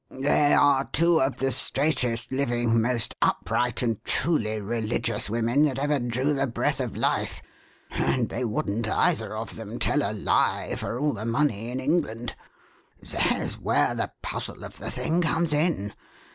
They are two of the straightest living, most upright, and truly religious women that ever drew the breath of life, and they wouldn't, either of 'em, tell a lie for all the money in England. There's where the puzzle of the thing comes in.